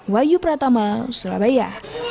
wayu pratama surabaya